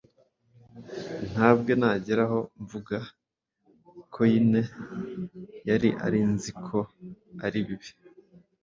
Ntabwe nagera aho mvuga ko yine yari ari nziko aribibi.